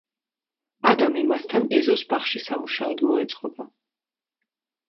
ადამი მასთან ეზოს ბაღში სამუშაოდ მოეწყობა.